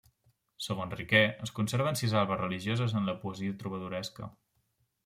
Segons Riquer, es conserven sis albes religioses en la poesia trobadoresca.